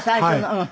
うん。